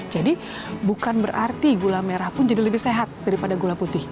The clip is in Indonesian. jadi bukan berarti gula merah pun jadi lebih sehat daripada gula putih